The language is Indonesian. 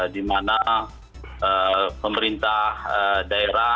di mana pemerintah daerah